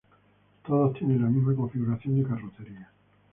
Todos tienen la misma configuración de carrocería.